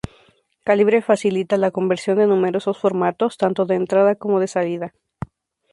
Calibre facilita la conversión de numerosos formatos, tanto de entrada como de salida.